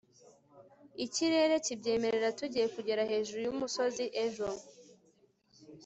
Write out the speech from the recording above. ikirere kibyemerera, tugiye kugera hejuru yumusozi ejo